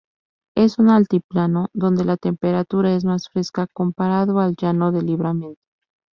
Es un altiplano donde la temperatura es más fresca comparado al llano de Livramento.